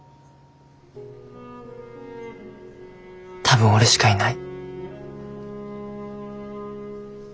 多分俺しかいない。